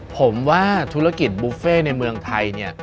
ผมว่าธุรกิจบุฟเฟ่ในเมืองไทยเนี่ย